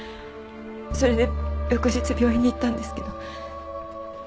それで翌日病院に行ったんですけど。